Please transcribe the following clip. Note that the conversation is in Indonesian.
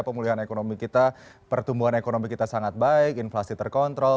pemulihan ekonomi kita pertumbuhan ekonomi kita sangat baik inflasi terkontrol